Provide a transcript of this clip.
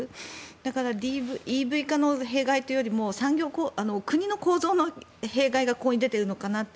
だからＥＶ化の弊害というより国の構造の弊害がここに出ているのかなと。